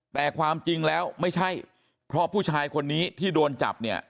แต่ความจริงแล้วไม่ใช่เพราะผู้ชายคนนี้ที่โดนจับเนี่ย